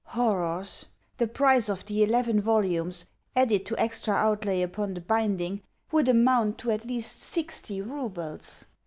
Horrors! The price of the eleven volumes, added to extra outlay upon the binding, would amount to at least SIXTY roubles!